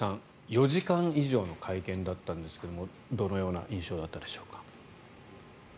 ４時間以上の会見だったんですがどのような印象だったでしょうか。